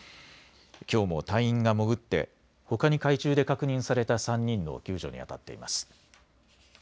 きょうも隊員が潜ってほかに海中で確認された３人の救助にあたっています。